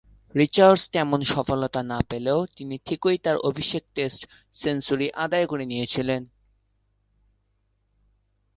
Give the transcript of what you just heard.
Richards তেমন সফলতা না পেলেও তিনি ঠিকই তার অভিষেক টেস্ট সেঞ্চুরি আদায় করে নিয়েছিলেন।